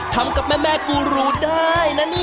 ทำกับแม่กูรูได้นะเนี่ย